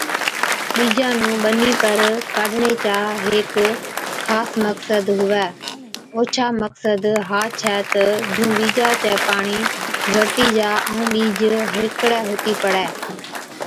ٻِيجا نُون ٻني پر ڪاڍڻي چا هيڪ خاص مقصد هُوَي، اوڇا مقصد ها ڇَي تہ جُون ٻِيجا چَي پاڻِي ڳڙتِي جا ائُون ٻِيج هلڪڙَي هُتِي پڙَي۔